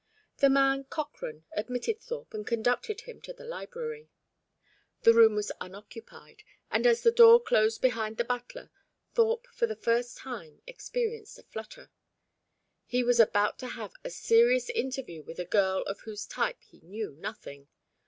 The man, Cochrane, admitted Thorpe, and conducted him to the library. The room was unoccupied, and, as the door closed behind the butler, Thorpe for the first time experienced a flutter. He was about to have a serious interview with a girl of whose type he knew nothing.